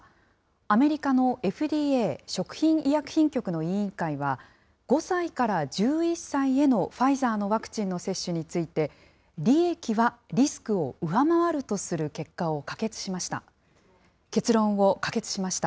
アメリカのＦＤＡ・食品医薬品局の委員会は、５歳から１１歳へのファイザーのワクチンの接種について、利益はリスクを上回るとする結果を可決しました。